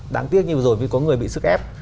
đáng tiếc như vừa rồi mới có người bị sức ép